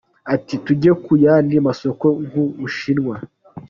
Ati “Tujya ku yandi masoko nk’u Bushinwa.